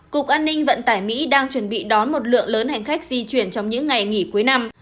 cục an ninh vận tải mỹ đang chuẩn bị đón một lượng lớn hành khách di chuyển trong những ngày nghỉ cuối năm